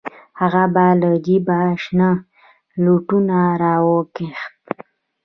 هغه به له جيبه شنه لوټونه راوکښل.